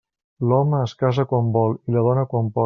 L'home es casa quan vol, i la dona quan pot.